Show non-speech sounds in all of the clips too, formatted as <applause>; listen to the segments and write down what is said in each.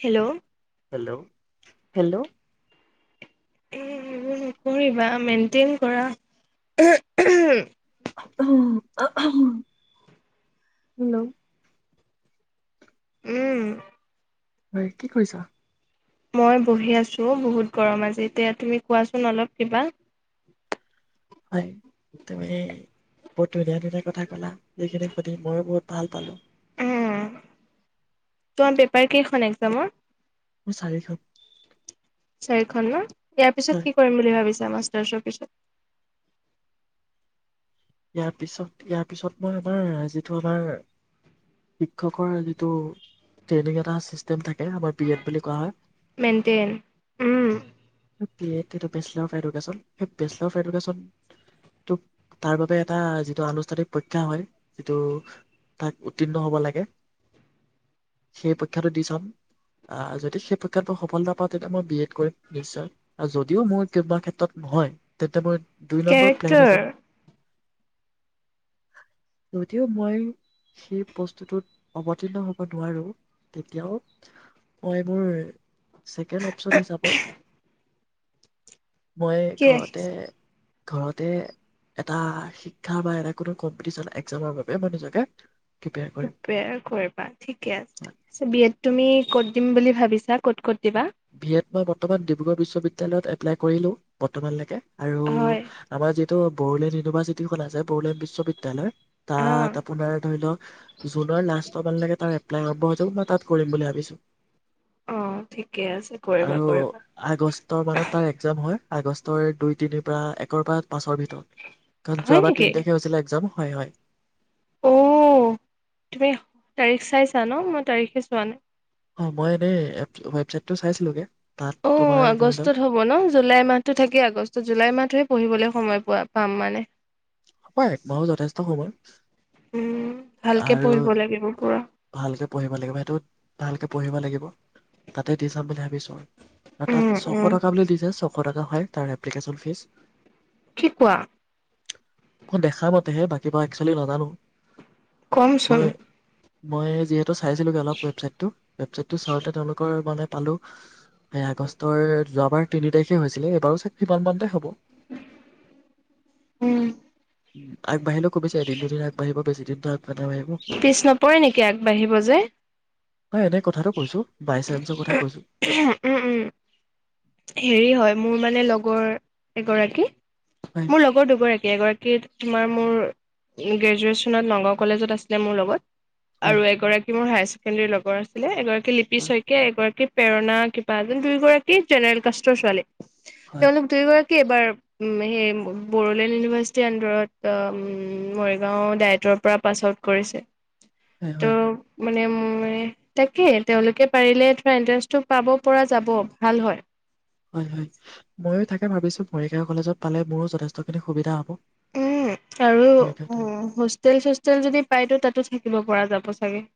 Hello! Hello hello এ এইবোৰ নকৰিবা মেইনটেইন কৰা হেল্ল' উম ঐ কি কৰিছা মই বহি আছো বহুত গৰম আজি এতিয়া তুমি কোৱাচোন অলপ কিবা হয় তুমি বহুত ধুনীয়া ধুনীয়া কথা ক'লা এইখিনি সুধি মই বহুত ভাল পালোঁ উ তোমাৰ পেপাৰ কেইখন এক্জামৰ মোৰ চাৰিখন এখন ন ইয়াৰ পিছত হয় কি কৰিম বুলি ভাবি মাষ্টাৰছ পিছত ইয়াৰ পিছত ইয়াৰ পিছত মই আমাৰ যিটো আমাৰ শিক্ষকৰ যিটো ট্ৰেইনিং এটা চিষ্টেম থাকে আমাৰ বি এড বুলি কোৱা হয় মেইনটেইন উম ডেই বে এডন তাৰ বাবে এটা যিটো আনুষ্ঠানিক পৰীক্ষা হয় যিটো তাক উত্তীৰ্ণ হ'ব লাগে সেই পৰীক্ষাটো দি চাম আহ যদি সেই পৰক্ষাত মই সফলতা পাওঁ তেন্তে মই বি এড কৰিম নিশ্চয় আৰু যদিও মোৰ কা ক্ষেত্ৰত নহয় তেন্তে মই দুই নম্বৰ প্লেন কেৰেক্টাৰ যাব যদিও মই সেই বস্তুটোত অৱতীৰ্ণ হ'ব নোৱাৰো তেতিয়াও মই মোৰ ছেকেণ্ড অপচন হিচাপত মই কি ঘৰতে ৰাখিছা ঘৰতে এটা শিক্ষা বা এটা কোনো কম্পিটিচন এক্জামৰ বাবে মই নিজকে প্ৰিপেয়াৰ কৰিম প্ৰীপেয়াৰ কৰিবা ঠিকে আছে বি এড তুমি ক'ত দিম বুলি ভাবিছা ক'ত ক'ত দিবা ভিয়েটনাম বৰ্তমান ডিব্ৰুগড় বিশ্ববিদ্য়ালয়ত এপ্লাই কৰিলোঁ বৰ্তমানলৈকে আৰু হয় আমাৰ যি তো বড়োলেণ্ড ইউনিভাৰ্চিটিখন আছে বড়োলেড বিশ্ববিদ্যালয় অ তাত আপোনাৰ ধৰি লওক জুনৰ লাষ্ট মানলৈকে তাৰ এপ্লাই আৰম্ভ মই তাত কৰিম বুলি ভাবিছো অ ঠিকে আছে কৰিবা আৰু কৰিবা আগষ্টৰ মানত তাৰ এক্জাম হয় আগষ্টৰ দুই তিনিৰ পৰা একৰ পৰা পাঁচৰ ভিতৰত কাৰণ হয় যোৱাবাৰ তিনি নেকি তাৰখে হৈছিলে এক্জাম হয় হয় অ তুমি তাৰিখ চাইছা ন মই তাৰিখে চোৱা নাই হয় মই এনেই ৱেবচাইট টো চাইছিলোগে তাত অ তোমাৰ ধৰি লওক আগষ্টত হ'ব ন জুলাই মাহতো থাকেই আগষ্টত জুলাই মাহটোহে পঢ়িবলৈ সময় পোৱা পাম মানে হ একমাহৰ যথেষ্ট সময় উম, ভালকে আৰু পঢ়িব লাগিব পুৰা ভালকে পঢ়িব লাগিব সেইটো ভালকে পঢ়িব লাগিব তাতে দি চাম বুলি ভাবিছো তাত উম, ছশ উম, টকা বুলি দিছে ছশ শ টকা হয় তাৰ এপ্লিকেশ্যন ফীজ কি কোৱা মই দেখা মতেহে বাকী বা একচোৱেলি নাজানো কমচোন মই মই যিহেতু চাইছিলগে অলপ ৱেবচাইটটো ৱেবচাইটটো চাওঁ তেওঁলোকৰ মানে পালো এই আগষ্টৰ যোৱাবাৰ তিনি তাৰিখে হৈছিলে এইবাৰ কিমান মানতে হ'ব উম আগ বাহিৰত খুব বেছি এদিন দুদিন আগবাঢ়ি বেছিদিন পথা ভাইব পৰে নেকি আগবাঢ়িব যে হয় এনে কথাটো কৈছো বাই চান্সৰ কথা কৈছো উম উম হেৰি হয় মোৰ মানে লগৰ এগৰাকী হয় মোৰ লগৰ দুগৰাকী এগৰাকী তোমাৰ মোৰ গ্ৰেজুৱে্বনত নগাঁও কলেজত আছিলে মোৰ লগত হয় আৰু এগৰাকী মোৰ হায়াৰ ছেকেণ্ডেৰী লগৰ আছিলে লিপি হয় শইকীয়া এগৰাকী প্ৰেৰণা কিবা এ যেন দুয়ো গৰাকী জেনেৰেল কষ্ট ছোৱালী হয় তেওঁলোক দুয়োগৰাকী এইবাৰ উ সেই বড়োলেণ্ড ইউনিভাৰ্চিটিৰ আন্দাৰত মৰিগাও ডায়টৰ পৰা পাছ আউট কৰিছে হয় হয় ত' মানে তাকে তেওঁলোকে পাৰিলে ধৰা এণ্টাৰেঞ্চটো পাব পৰা যাব ভাল হয় হয় হয় ময়ো তাকে ভাবিছো মৰিগাঁও কলেজত পালে মোৰো যথেষ্টখিনি সুবিধা হ'ব উম আৰু মৰিগাঁও হোষ্টেল চোষ্টেল যদি পাইতো তাতো থাকিব পৰা যাব চাগে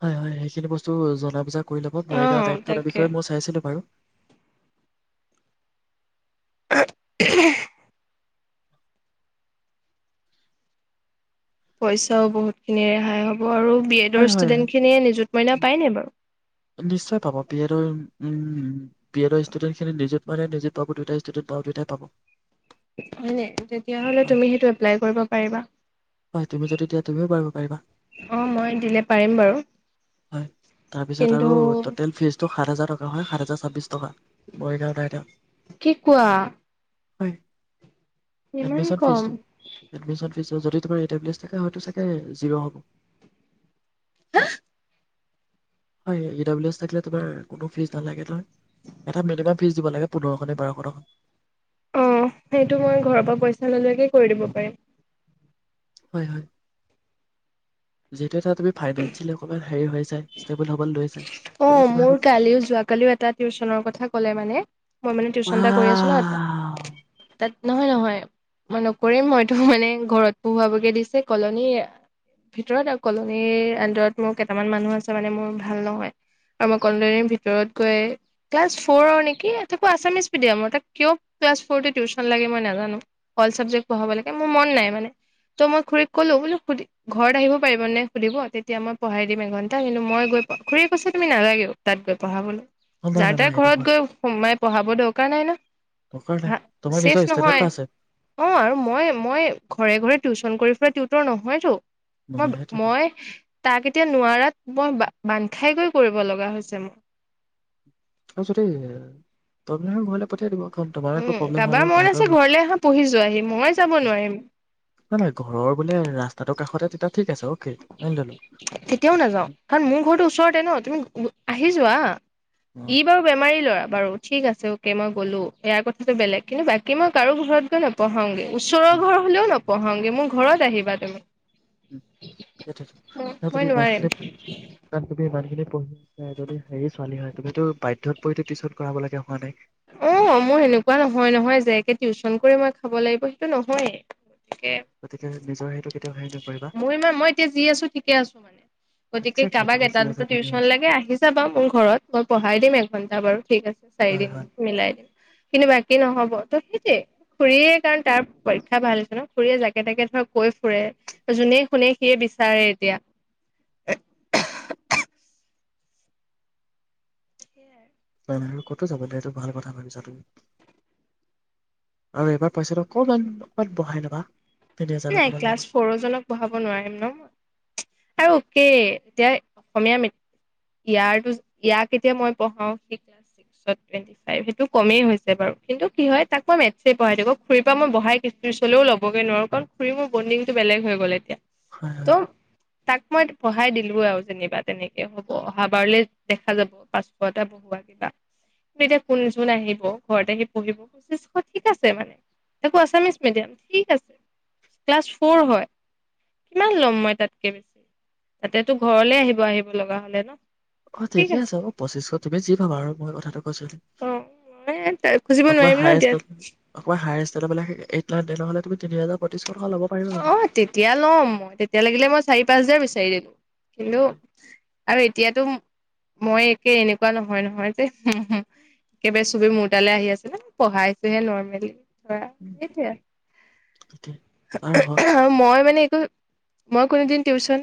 হয় হয় সেইখিনি বস্তু জনা বুজা কৰি ল'ব অ মৰিগাঁৱৰ দায়িত্ব তাকে বিষয়ে মই চাইছিলো বাৰু <inaudible> পইচাও বহুত খিনি ৰেহাই হ'ব আৰু বি এডৰ হয় হয় ষ্টুডেন্ খিনিয়ে মইনা উম, পায় জানো নিশ্চয় পাব পি এডৰ পি এডৰ ষ্টুডেণ্টখিনি নিজে মানে নিজে পাব দুয়টাই ষ্টুডেণ্ট প দুয়টাই পাব অঁ তেতিয়া হলে সেই তো হয় তুমিও এপ্লাই কৰিব পাৰিবা হয় তুমি যদি দিয়া তুমিও পাৰিব পাৰিবা অঁ মই দিলে পাৰিম বাৰু হয় তাৰপিছত কিন্ত আৰু টেল ফিজটো সাত হাজাৰ টকা হয় সাত হাজাৰ ছাব্বিছ টকা মৰিগাঁৱত তাইত কি কোৱা হয় ইমান এডমিন ফিজ কম এডমিন হয় হ'ব হাঁ হয় ই ড এছ থাকিলে তোমাৰ কোনো ফিজ নালাগে নহয় এটা মিনিমাম ফিজ দিব লাগে পোন্ধৰখনে বাৰশ টকা অঁ সেইটো মই ঘৰৰ পৰা পইচাঁ লৈকে কৰি দিব পাৰিম হয় হয় যেতিয়া তুম ফাইনেঞ্চিয়েলি অকনমান হেৰি ষ্টেবল হ'ব লৈ চাই অঁ মোৰ কালিও যোৱা কালিও এটা টিউচনৰ কথা ক'লে মানে মই মানে টিউচন এটা কৰি আছো ন ৱাও তাত নহয় নহয় মই নকৰিম হয়ইতো মানে ঘৰত পোহোৱাবগৈ দিছে কলনীৰ ভিতৰত আৰু কলনীৰ আডৰত মোৰ কেইটামান মানুহ আছে মানে মোৰ ভাল নহয় আৰু মই কলো ভিতৰত গৈ ক্লাছ ফৰ নেকি আছামিছ মিডিয়ামৰ ত কিয় ক্লাছ ফ'ৰ টিউচন লাগে মই নাজানো অল চাবজেক্ট পঢ়াব লাগে মোৰ মন নাই মানে ত' মই খুুৰী কলো বোলো সুধি ঘৰত আহিব পাৰিব নে সুধিব তেতিয়া মই পঢ়াই দিম এঘন্টা কিন্তু মই গৈ খী পইচাঁ তুমি নালাগে তাত গৈ পঢ়াবলৈ অ নাই যাৰ নাই তাৰ নাই সেইটো ঘৰত হয় গৈ সোমাই পঢ়াব দৰকাৰ নাই ন দৰকাৰ নাই হ তোমাৰ ছেফ নিজৰ ষ্টেণ্ডাৰ্ড নহয় এটা আছে অঁ আৰু মই মই ঘৰে ঘৰে টিউশচন কৰি লোকৰ নহয়তো মই নহয় সেইটোৱেতো মই তাক এতিয়া নোৱাৰাত মই বাল লাহেকৈ কৰিব লগা হৈছে মোক তাৰপিছতে তই ঘৰলৈ পঠিয়াই দিব তোমাৰ এক উম প্ৰব্লেম কাৰোবাৰ মন আছে তাহাতৰ বো ঘৰলে আহা পঢ়ি যোৱাহি মই যাব নোৱাৰিম ৰাস আকাশতেতিয়া ঠিক আছে অ'কে মানি ললো তেতিয়াও নাযাও কাৰণ মোৰ ঘৰটো ওচৰতে ন তুমি আহি যোৱা হ অ উম, ই বাৰু বেমাৰী লৰা বাৰু ঠিক আছে অকে মই গ'লো ইয়াৰ কথাটো বেলেগ কিন্তু বাকী মই কাৰো ঘৰত গৈ নপঢ়াওগে ওচৰৰ ঘৰ হ'লেও ন পহংগি মোৰ ঘৰত আহিবা তুমি উম সেইটোৱেটো। <unintelligible> মই নোৱাৰিম কাৰণ তুমি ইমান খিনি পঢ়ি পেলায় এজনী হেৰি ছোৱালী হয় তুমিতো বাধ্যত পৰিটো টিউচন কৰাব লগিয়া হোৱা নাই। অ', মোৰ সেনেকুৱা নহয়, নহয় যে, একে টিউচন কৰি মই খাব লাগিব সেইটো নহ'য়ে কে। গতিকে নিজৰ সেইটো কেতিয়াও হেৰি নকৰিবা মো ইমান মই এতিয়া যি আছো ঠিকে আছো মানে, গতিকে একজেক্টলি কাৰোবাক তুমি যি এটা, আছা দুটা ধুনীয়া টিউচন আছা লাগে আহি যাবা মোৰ ঘৰত মই পঢ়াই দিম এঘন্টা বাৰু ঠিক আছে চাৰি হয় হয় দিন। কিন্তু বাকী নহ'ব ত' সেইটোৱে খুৰীয়ে কাৰণ তাৰ পৰীক্ষা ভাল হৈছে ন, খুৰীয়ে জাকে তাকে ধৰ কৈ ফুৰে যোনে শুনে সিয়ে বিচাৰে এতিয়া। ক'তো যাবলৈ এইটো ভাল কথা ভাবিছা তুমি আৰু এবাৰ পইছাটো অকমান, মান বহাই ল'বা। তিনি হাজাৰ নাই টকামান ক্লাছ ল'বা ফৰ জনক বঢ়াব নোৱাৰিম ন? আৰু এতিয়া অসমীয়া ইয়াৰো ইয়াক এতিয়া মই পঢ়াও সি <unintelligible> ফাইভ সেইটো কমেই হৈছে বাৰু কিন্তু কি হয়, তাক মই মেথছেই পঢ়াই থাকো খুৰীৰ পৰা মই বঢ়াই পিছলেও ল'বগে নোৱাৰো কাৰণ খুৰি মোৰ বণ্ডিংটো বেলেগ হৈ গ'ল এতিয়া। হয়, হয়। ত' তাক মই পঢ়াই দিলো আৰু যেনিবা তেনেকে হ'ব অহাবাৰলে দেখা যাব পাঁচশটা বহুৱা কিবা, কিন্তু এতিয়া কোন যোন আহিব ঘৰত আহি পঢ়িব গুচি যাব ঠিক আছে মানে তাকো আচামিছ মিডিয়াম ঠিক আছে ক্লাছ ফৰ হয়, কিমান ল'ম মই তাতকে বেছি তাতেতো ঘৰলে আহিব আহিব লগা হ'লে ন। অ', ঠিকে আছে পঁচিশ তুমি যি ভাবা আৰু মই কথাটো অ', মই খুজিব অকমান নোৱাৰিম ন হায়ষ্ট, এতিয়া। অকমান হায়ষ্ট <unintelligible> তিনি হাজাৰ পঁয়ত্ৰিছশ টকা ল'ব পাৰিবা মানে অ', তেতিয়া ল'ম মই তেতিয়া লাগিলে মই চাৰি, পাঁচ হাজাৰ বিচাৰি দিলো কিন্তু হয়। আৰু এতিয়াতো মই একে এনেকুৱা নহয, নহয় যে, একেবাৰে চবে মোৰ তালৈ আহি আছে পঢ়াইচোহে নৰ্মেলি <unintelligible> আৰু <unintelligible> মই মানে একো মই কোনোদিন টিউচন,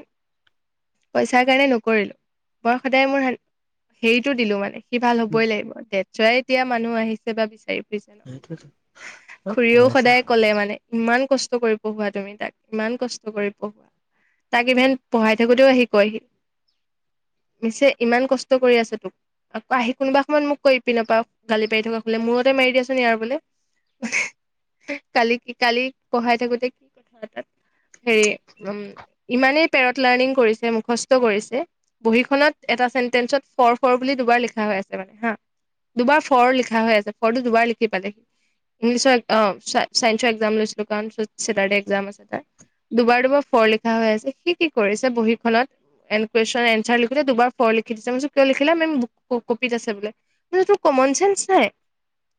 পইচাৰ কাৰণে নকৰিলোঁ মই সদায় মোৰ হেৰিটো দিলোঁ মানে ভাল উম হ'বই লাগিব তে <unintelligible> এতিয়া মানুহ আহিছে বা বিচাৰিব সেইটোৱেতো অ খুৰীয়েও পইচা সদায় ক'লে মানে ইমান কচ কৰি পঢ়োৱা তুমি তাক, ইমান কষ্ট কৰি পঢ়োৱা তাক ইভেন পঢ়াই থাকোতেও আহি কয়হি মিছে ইমান কষ্ট কৰি আছে তোক আকৌ আহি কোনোবা সময়ত মোক কয় ইপিনপা গালি পাৰি থকা সুনিলে মূৰতে মাৰি দিয়াচোন ইয়াৰ বোলে। কালি, কালি পঢ়াই থাকোতে কি কথা হেৰি উম, ইমানেই পেৰট লাৰ্ণিং কৰিছে, মুখস্থ কৰিছে বহীখনত এটা চেন্টেচত ফৰ, ফৰ বুলি দুবাৰ লিখা হৈ আছে মানে হা, দুবাৰ ফৰ লিখা হৈ আছে ফৰটো দুবাৰ লিখি পালে ইংলিছৰ অ', চাই-চাইন্সৰ একজাম লৈছি চেটাৰ ডে একজাম আছে তাৰ দুবাৰ, দুবাৰ ফৰ লিখা হৈ আছে সি কি কৰিছে বহীখনত এন কুৱেশন এনচাৰ লিখোঁতে দুবাৰ ফৰ লিখি দিছে কিয় লিখিলা মেম কপিত আছে বোলে কমন চেন্স নাই?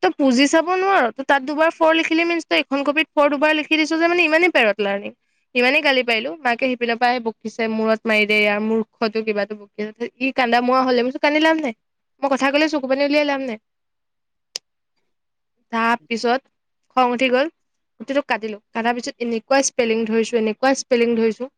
ত' পুজি চাব নোৱাৰো ত' তাত দুবাৰ ফৰ লিখিলি মিনচ তখন কপিত দুবাৰ লিখি দিছোঁ যে, মানে ইমানেই পেৰত লাৰ্ণিং ইমানেই গালি পাৰিলো মাকে সিপিনৰ পৰা বকিছে মূৰত মাৰি দে ইয়াৰ, মুৰ্খতো কিবাটো বকিছে ই কান্দা মোৱো হ'লে কান্দি লাভ নাই মই কথা ক'লে চকু পানী উলিয়াই লাভ নাই। তাৰ পিছত খং উঠি গ'ল গোটেইটো কাটিলোঁ, কাটাৰ পিছত এনেকুৱা স্পেলিং ধৰিছো, এনেকুৱা স্পেলিং ধৰিছো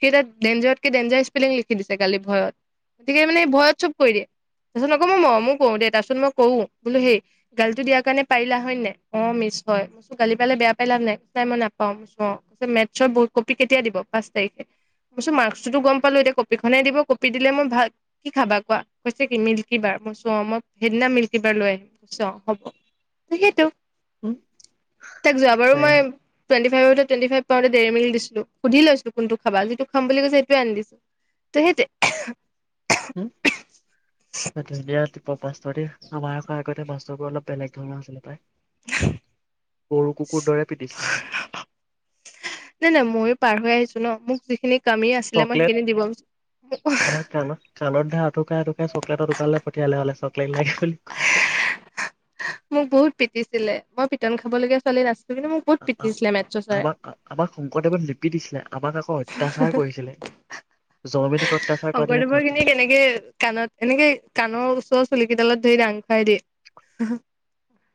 সেই এটা ডেঞ্জাৰতকে, ডেঞ্জাৰৰ স্পেলিং লিখি দিছে গালি ভয়ত, গতিকে মানে ভয়ত চব কৈ দিয়ে তাৰপিছত আকৌ মই মঅমো কৰো দেই, তাপিচত মই কোউ বোলো হেই, গালিটো দিয়াৰ কাৰণে পাৰিলা হয়, নে নাই? অ', মিছ হয়। গালি পালে বেয়া পাই লাভ নাই। নাই মই নাপাওঁ অ', মেথছৰ ব কপি কেতিয়া দিব? পাঁচ তাৰিখে মাৰ্কচটোতো গম পালো এতিয়া কপিখনেই দিব কপি দিলে মই ভাল কি খাবা কোৱা? কৈছে কি মিল্কি বাৰ মই কৈছোঁ অ', সেইদিনা মিল্কি বাৰ লৈ আহিম কৈ অ', হ'ব সেইটো। উম। তাক যোৱা বাৰু মই <unintelligible> পই- <unintelligible> টুৱেন্টি ফাইভ পাওঁতে দেৰিমিল্ক দিছিলো, সুধি লৈছো কোনটো খাবা যিটো খাম বুলি কৈছে সেইটো আনি দিছোঁ সেইটোৱে উম, <unintelligible> মাষ্টৰ দেই, আমাৰ আকৌ আগতে মাষ্টৰবোৰ অলপ বেলেগ ধৰণৰ আছিলে পায়। গৰু কুকুৰ দৰে পিটিছিলে নাই নাই ময়ো পাৰ হৈ আহিছো ন মোক যিখিনি কামি আছিলে মই চকলেট সেইখিনি দিব বিচাৰোঁ। আমাৰ কাণৰ কাণৰ ধা আঁঠুকৰাই আঁঠু। কৰাই চকলেট টুকালে পঠিয়ালে হ'লে চ <unintelligible> মোক বহুত পিটিছিলে মই পিটন খাবলগীয়া ছোৱালী নাছিলো আমাক আমাক শংকৰদেৱক লিপি দিছিলে আমাক আকৌ অত্যাচাৰ কৰিছিলে। জননৈতিক <inaudible> অত্যাচাৰ কৰা দিনা শংকৰদেৱৰ কৰিছিলে। খিনি কেনেকে কাণত এনেকে কাণৰ ওচৰৰ চুলকেইডালত ধৰি ডাঙ <unintelligible>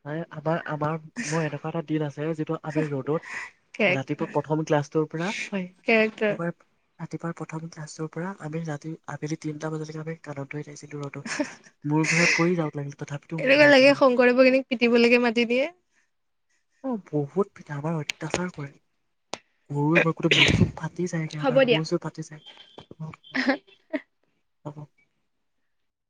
ন আমাৰ আমাৰ মোৰ এনেকুৱা এটা দিন আছে যে আমি ৰ'দত কেৰেক্টাৰ ৰাতিপুৱা প্ৰথম ক্লাছটোৰ পৰা হয় কেৰেক্টাৰ এইবাৰ ৰাতিপুৱা প্ৰথম ক্লাছটোৰ পৰা আমি ৰাতি আবেলি তিনিটা বজালৈকে আমি কানত থৈ থাইছিলো ৰ'দত মোৰ ঘূৰা পৰি যাওক লাগিল তথাপিতো <inaudible> পিটিবলেকে মাটি দিয়ে অ বহুত আমাৰ অত্যাচাৰ কৰে গৰুৱে মাৰ গোট মখ চুখ ফাটি যায় আমাৰ মোৰচ ফাটি যায় অ <inaudible>